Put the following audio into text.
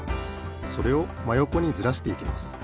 それをまよこにずらしていきます。